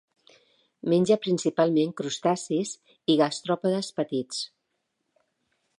Menja principalment crustacis i gastròpodes petits.